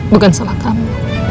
bukan salah kamu